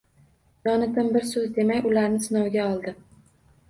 Jonatan bir so‘z demay, ularni sinovga oldi